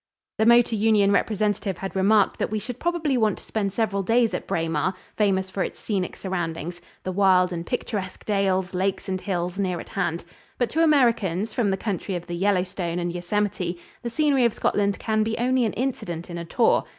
The Motor Union representative had remarked that we should probably want to spend several days at Braemar, famous for its scenic surroundings the wild and picturesque dales, lakes and hills near at hand; but to Americans, from the country of the Yellowstone and Yosemite, the scenery of Scotland can be only an incident in a tour.